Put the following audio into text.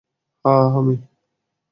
হ্যা, আমিই।